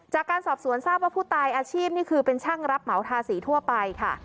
จากการสอบสวนทราบว่าผู้ตายอาชีพนี่คือเป็นช่างรับเหมาทาสีทั่วไปค่ะ